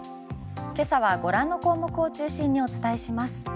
今朝はご覧の項目を中心にお伝えします。